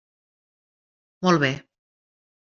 Molt bé!